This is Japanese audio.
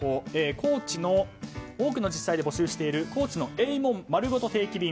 高知の多くの自治体で募集している高知のえいもんまるごと定期便。